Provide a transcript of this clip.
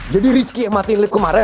jadi rizky yang matiin lift kemarin